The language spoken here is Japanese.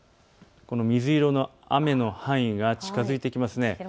水色の雨の範囲が近づいてきますね。